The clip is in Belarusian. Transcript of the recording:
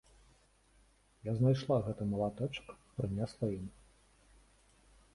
Я знайшла гэты малаточак, прынесла ім.